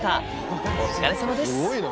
お疲れさまです。